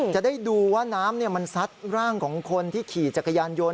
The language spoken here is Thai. จะได้ดูว่าน้ำมันซัดร่างของคนที่ขี่จักรยานยนต